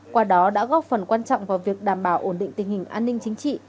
qua đó đã góp phần quan trọng vào việc đảm bảo ổn định tình hình an ninh chính trị